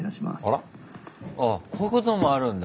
ああこういうこともあるんだ。